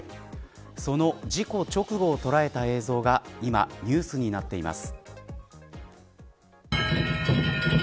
その事故直後を捉えた映像が今ニュースになっています。